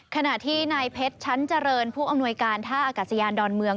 ขณะที่นายเพชรชั้นเจริญผู้อำนวยการท่าอากาศยานดอนเมือง